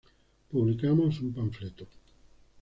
publicamos un panfleto